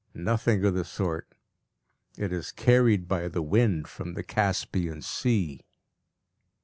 Nothing of the sort; it is carried by the wind from the Caspian Sea.